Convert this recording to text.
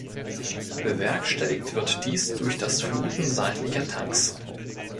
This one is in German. Bewerkstelligt wird dies durch das Fluten seitlicher Tanks.